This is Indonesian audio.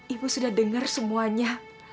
ibu sudah dengar semuanya